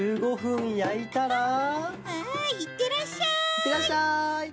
いってらっしゃい！